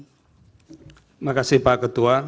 terima kasih pak ketua